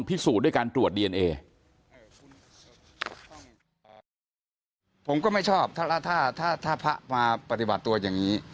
ผมก็ไม่ชอบถ้าพระมาปฏิบัติตัวอย่างนี้